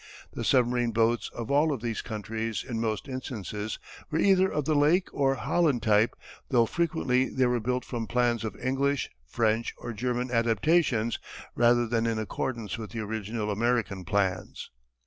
The submarine boats of all of these countries in most instances were either of the Lake or Holland type though frequently they were built from plans of English, French or German adaptations rather than in accordance with the original American plans.